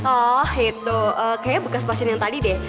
oh itu kayaknya bekas pasien yang tadi deh